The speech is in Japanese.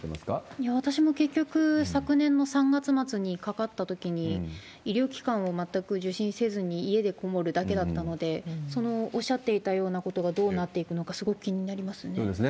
いや、私も結局、昨年の３月末にかかったときに、医療機関を全く受診せずに、家で籠もるだけだったので、おっしゃっていたようなことがどうなっていくのか、すごく気になりますね。